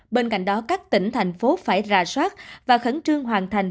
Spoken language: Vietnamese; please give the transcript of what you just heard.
bên cạnh đó các tỉnh thành phố phải ra soát và khẩn trương hoàn thành